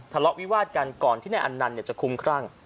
ทะเลาะวิวาดกันก่อนที่นายอันนันต์จะคุ้มครั่ง